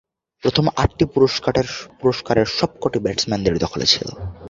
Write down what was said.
প্রথম আটটি পুরস্কারের সবকটি ব্যাটসম্যানদের দখলে ছিল।